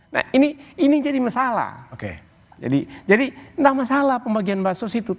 nah ini jadi masalah jadi tidak masalah pembagian bansos itu